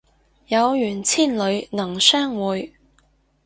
有緣千里能相會